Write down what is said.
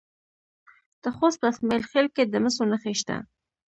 د خوست په اسماعیل خیل کې د مسو نښې شته.